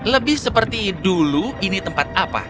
lebih seperti dulu ini tempat apa